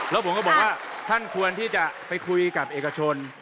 แล้วผมก็บอกว่าท่านควรที่จะไปคุยกับเอกชน